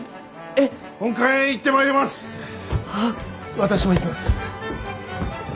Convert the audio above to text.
私も行きます。